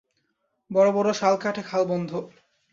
বড় বড় শাল কাঠে খাল বন্ধ!